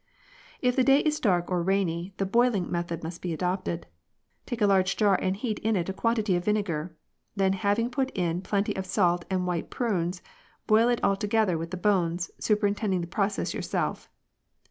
" If the day is dark or rainy the * boiling' method must be adopted. Take a large jar and heat in it a quantity of vinegar; then having put in plenty of salt and white prunes, boil it altogether with the bones, superintending the process yourself.